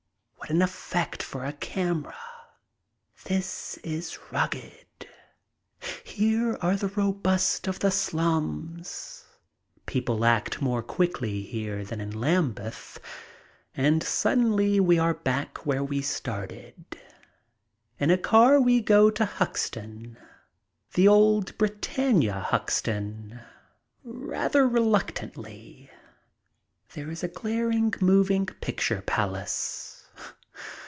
What an effect for a camera! This is rugged. Here are 'the robust of the slums. People act more quickly here than in Lambeth. And suddenly we are back where we started. In a car we go to Huxton, the old Britannia Huxton, rather reluctantly. There is a glaring moving picture palace.